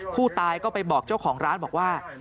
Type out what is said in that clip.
ผู้ตายก็ไปบอกเจ้าของร้านบอกว่า